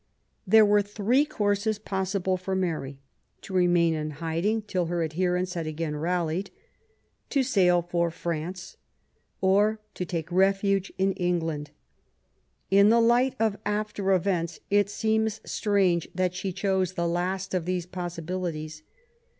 There were three courses possible for Mary: to remain in hiding till her adherents had again rallied ; to sail for France ; or to take refuge in England. In the light of after events, it seems strange that she chose the last of these possibilities.